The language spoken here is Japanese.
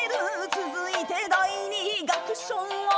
「続いて第二楽章は」